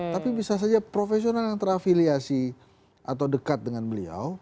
tapi bisa saja profesional yang terafiliasi atau dekat dengan beliau